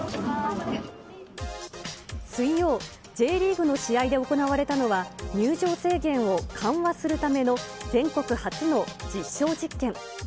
水曜、Ｊリーグの試合で行われたのは、入場制限を緩和するための全国初の実証実験。